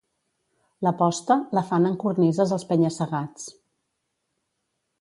La posta, la fan en cornises als penya-segats.